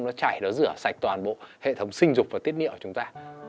nó chảy nó rửa sạch toàn bộ hệ thống sinh dục và tiết niệu của chúng ta